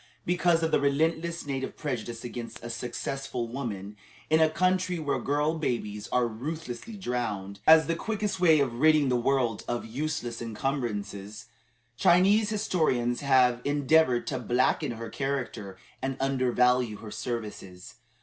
Because of the relentless native prejudice against a successful woman, in a country where girl babies are ruthlessly drowned, as the quickest way of ridding the world of useless incumbrances, Chinese historians have endeavored to blacken her character and undervalue her services.